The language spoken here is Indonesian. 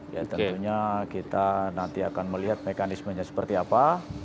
ya tentunya kita nanti akan melihat mekanismenya seperti apa